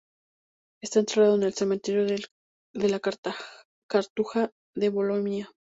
Está enterrado en el cementerio de la Cartuja de Bolonia.